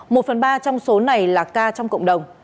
một phần ba trong số này là ca trong cộng đồng